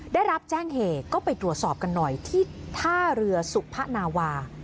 ได้รับแจ้งเหตุก็ไปตรวจสอบกันหน่อยที่ท่าเรือสุพนาวา